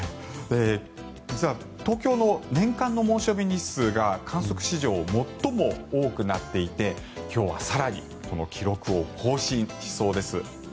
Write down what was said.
実は東京の年間の猛暑日日数が観測史上最も多くなっていて今日は更にこの記録を更新しそうです。